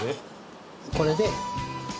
これで。